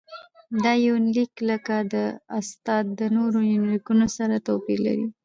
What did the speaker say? دا يونليک لکه د استاد د نورو يونليکونو سره تواپېر لري.